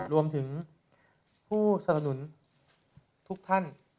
รวมถึงผู้สนับสนุนทุกท่าน